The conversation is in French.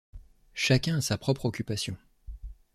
Chacun à sa propre occupation.